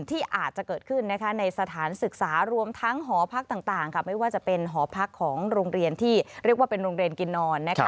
ที่อาจจะเกิดขึ้นในสถานศึกษารวมทั้งหอพักต่างไม่ว่าจะเป็นหอพักของโรงเรียนที่เรียกว่าเป็นโรงเรียนกินนอน